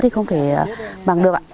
thì không thể bằng được ạ